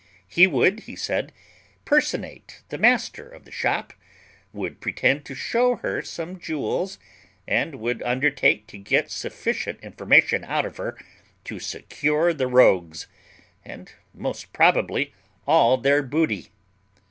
He would, he said, personate the master of the shop, would pretend to shew her some jewels, and would undertake to get sufficient information out of her to secure the rogues, and most probably all their booty.